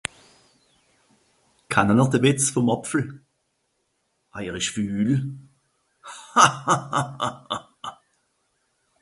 Kanne-n-r de Wìtz vùm Àpfel ? Ah er ìsch fül... hahahaha